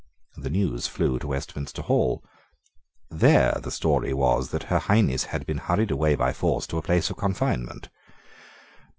The news flew to Westminster Hall. There the story was that Her Highness had been hurried away by force to a place of confinement.